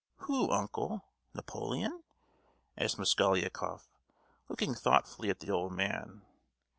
"Who, uncle—Napoleon?" asked Mosgliakoff, looking thoughtfully at the old man.